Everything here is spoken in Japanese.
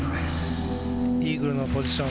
イーグルのポジション。